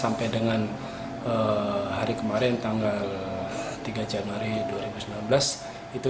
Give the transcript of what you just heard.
masih tetap lima ratus meter dulu